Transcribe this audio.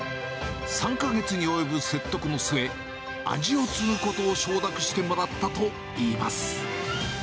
３か月に及ぶ説得の末、味を継ぐことを承諾してもらったといいます。